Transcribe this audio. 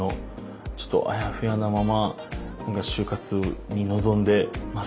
ちょっとあやふやなまま就活に臨んでました。